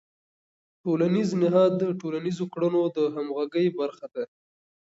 ټولنیز نهاد د ټولنیزو کړنو د همغږۍ برخه ده.